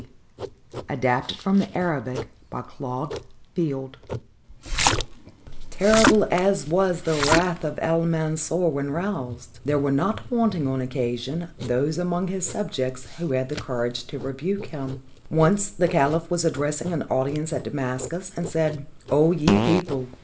d.] ADAPTED FROM THE ARABIC BY CLAUDE FIELD Terrible as was the wrath of Al Mansur when roused, there were not wanting on occasion those among his subjects who had the courage to rebuke him. Once the caliph was addressing an audience at Damascus, and said :" O ye people